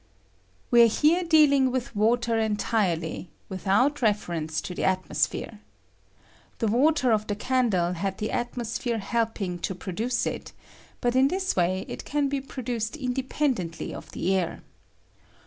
We are here dealing with water entirely, without reference to the atmosphere. The ^^ bal ^^^ wa ^H Bep water of the candle had the atmosphere helping to produce it ; but in thia way it can be pro duced independently of the air.